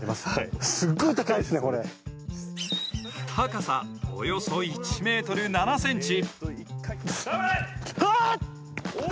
高さ、およそ１ｍ７ｃｍ。